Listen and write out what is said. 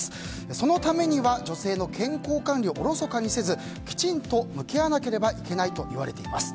そのためには女性の健康管理をおろそかにせず、きちんと向き合わないといけないと言われています。